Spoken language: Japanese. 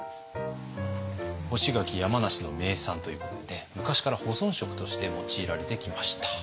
干し柿山梨の名産ということで昔から保存食として用いられてきました。